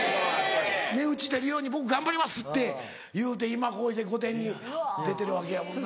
「値打ち出るように僕頑張ります」って言うて今こうして『御殿‼』に出てるわけやもんな。